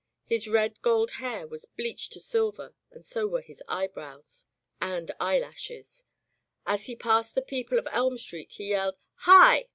His red gold hair was bleached to silver and so were his eyebrows and eyelashes. As he passed the people of Elm Street he yelled "Hi!"